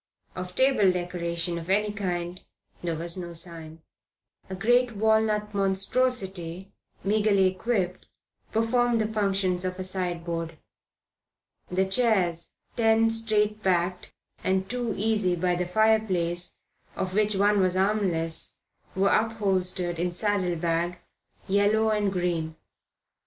Of table decoration of any kind there was no sign. A great walnut monstrosity meagrely equipped performed the functions of a sideboard. The chairs, ten straight backed, and two easy by the fireplace, of which one was armless, were upholstered in saddlebag, yellow and green.